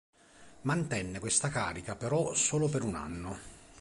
Mantenne questa carica però solo per un anno.